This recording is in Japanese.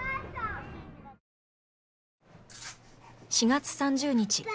４月３０日